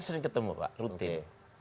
sering ketemu pak rutin